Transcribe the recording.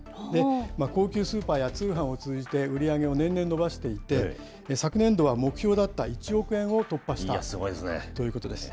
高級スーパーや通販を通じて売り上げを年々伸ばしていて、昨年度は目標だった１億円を突破したということです。